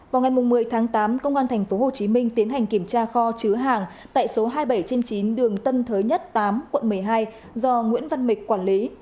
vào ngày một mươi tháng tám công an tp hcm tiến hành kiểm tra kho chứa hàng tại số hai mươi bảy trên chín đường tân thới nhất tám quận một mươi hai do nguyễn văn mịch quản lý